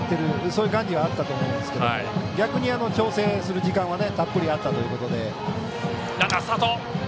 そういう感じはあったと思うんですが逆に調整する時間はたっぷりあったということで。